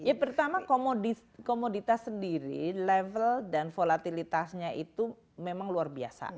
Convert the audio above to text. ya pertama komoditas sendiri level dan volatilitasnya itu memang luar biasa